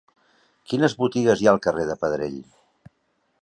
Quines botigues hi ha al carrer de Pedrell?